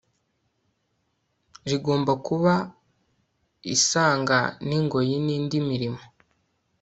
rigomba kuba isanga ningoyi nindi mirimo